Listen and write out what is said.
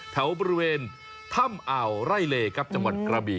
แถวบริเวณถ้ำอ่าวไร่เลครับจังหวัดกระบี่